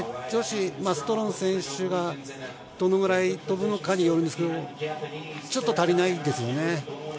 女子、ストロン選手がどのぐらい飛ぶかによるんですけれども、ちょっと足りないですね。